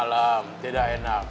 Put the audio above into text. malam tidak enak